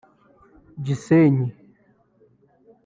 Gisenyi